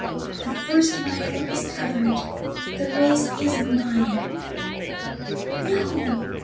The first mile is covered, the race is mine no!